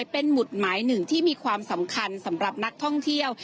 เป็นหมุดหมายหนึ่งที่มีความสำคัญสำหรับนักท่องเที่ยว